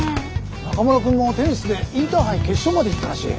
中村くんもテニスでインターハイ決勝まで行ったらしい。